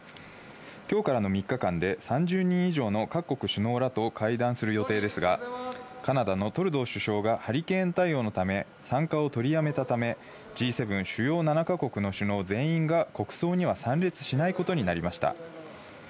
今日からの３日間で３０人以上の各国首脳らと会談する予定ですが、カナダのトルドー首相がハリケーン対応のため、参加を取り止めたため、Ｇ７＝主要７か国の首脳全員が国葬には参列しないことになりました。